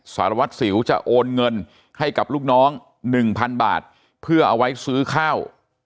สารวัตรสิวจะโอนเงินให้กับลูกน้อง๑๐๐๐บาทเพื่อเอาไว้ซื้อข้าว